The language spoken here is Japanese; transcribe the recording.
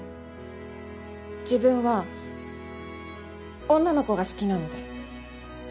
自分は女の子が好きなので。